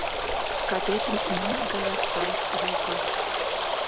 Капетым мамык гай ласкалык авалта.